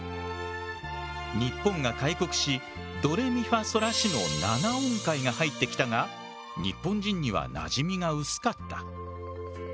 日本が開国しドレミファソラシの７音階が入ってきたが日本人にはなじみが薄かった。